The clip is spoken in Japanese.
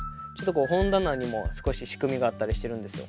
本棚にも少し仕組みがあったりしてるんですよ